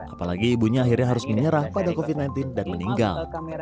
apalagi ibunya akhirnya harus menyerah pada covid sembilan belas dan meninggal